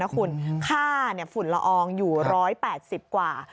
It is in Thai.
คุณค่าฝุ่นละอองอยู่๑๘๐กว่า